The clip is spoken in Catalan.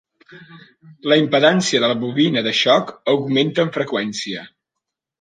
La impedància de la bobina de xoc augmenta amb freqüència.